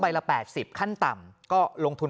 ละ๘๐ขั้นต่ำก็ลงทุน